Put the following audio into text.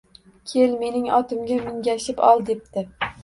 Kel, mening otimga mingashib ol, debdi